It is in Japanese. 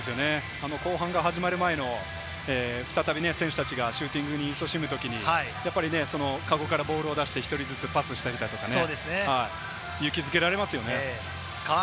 後半が始まる前の再び選手たちがシューティングにいそしむとき、かごからボールを出して１つずつパスしたりとか、勇気づけられますよね。